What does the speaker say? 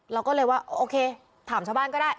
เราก็เลยว่าโอเคถามชาวบ้านก็ได้